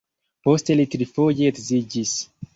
Poste li trifoje edziĝis.